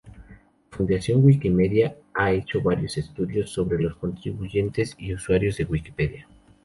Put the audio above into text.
La Fundación Wikimedia ha hecho varios estudios sobre los contribuyentes y usuarios de Wikipedia.